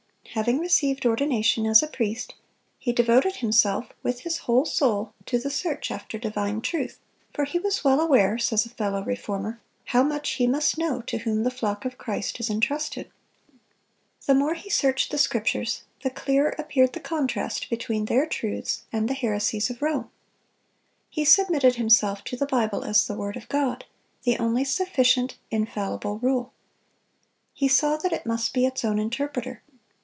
Having received ordination as a priest, he "devoted himself with his whole soul to the search after divine truth; for he was well aware," says a fellow reformer, "how much he must know to whom the flock of Christ is entrusted."(242) The more he searched the Scriptures, the clearer appeared the contrast between their truths and the heresies of Rome. He submitted himself to the Bible as the word of God, the only sufficient, infallible rule. He saw that it must be its own interpreter.